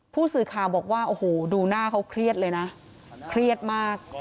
ผู้สื่อข่าวบอกว่าโอ้โหดูหน้าเขาเครียดเลยนะเครียดมาก